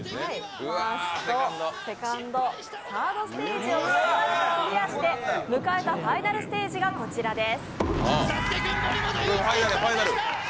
ファースト、セカンド、サードステージをクリアして、迎えたファイナルステージがこちらです。